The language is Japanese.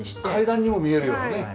階段にも見えるようなね。